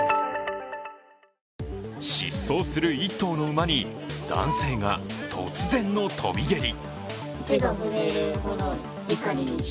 疾走する１頭の馬に男子絵が突然の跳び蹴り。